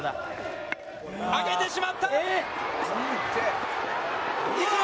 上げてしまった！